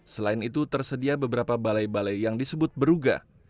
selain itu tersedia beberapa balai balai yang disebut beruga